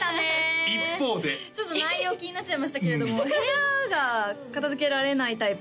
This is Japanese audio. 一方でちょっと内容気になっちゃいましたけれども部屋が片づけられないタイプ？